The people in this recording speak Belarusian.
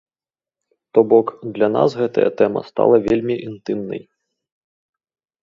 То бок, для нас гэтая тэма стала вельмі інтымнай.